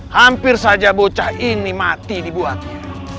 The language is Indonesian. hampir saja bocah ini mati dibuatnya